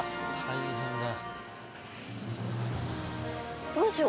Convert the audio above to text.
大変だ。